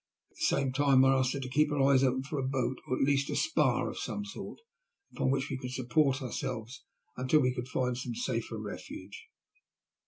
At the same time I asked her to keep her eyes open for a boat, or at least a spar of some sort, upon which we could support ourselves until we could find some safer refuge.